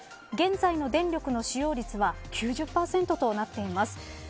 現在の電力の使用率は９０％となっています。